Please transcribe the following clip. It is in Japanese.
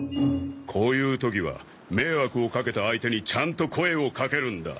こういう時は迷惑を掛けた相手にちゃんと声を掛けるんだ。